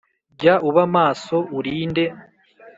Jya uba maso urinde